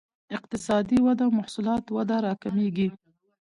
اقتصادي وده محصولات وده راکمېږي.